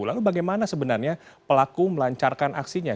lalu bagaimana sebenarnya pelaku melancarkan aksinya